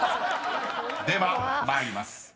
［では参ります。